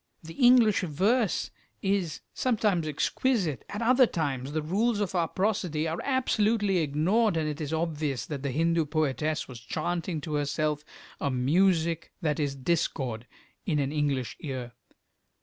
The English verse is sometimes exquisite; at other times the rules of our prosody are absolutely ignored, and it is obvious that the Hindu poetess was chanting to herself a music that is discord in an English ear.